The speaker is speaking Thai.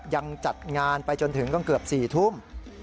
จัดงานไปจนถึงก็เกือบ๔ทุ่ม